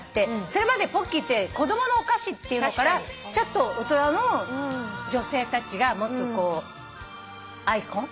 それまでポッキーって子供のお菓子っていうのからちょっと大人の女性たちが持つアイコン？